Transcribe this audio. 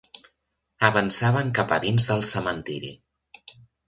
Avançaven cap a dins del cementiri